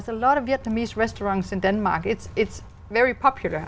và nó đã được đăng ký sau khi đến đài loan